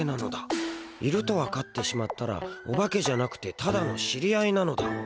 いるとわかってしまったらオバケじゃなくてただの知り合いなのだ」。